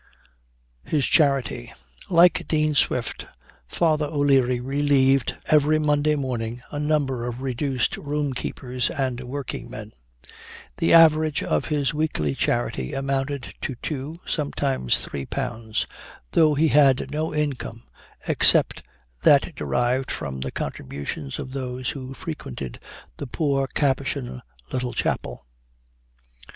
HIS CHARITY. Like Dean Swift, Father O'Leary relieved, every Monday morning, a number of reduced roomkeepers and working men. The average of his weekly charity amounted to two, sometimes three pounds though he had no income except that derived from the contributions of those who frequented the poor Capuchin little chapel.